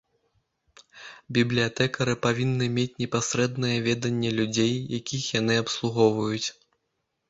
Бібліятэкары павінны мець непасрэднае веданне людзей, якіх яны абслугоўваюць.